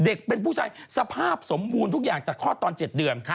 เป็นผู้ชายสภาพสมบูรณ์ทุกอย่างจากคลอดตอน๗เดือน